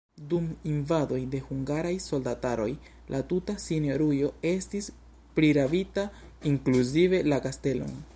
Dum invadoj de hungaraj soldataroj la tuta sinjorujo estis prirabita, inkluzive la kastelon.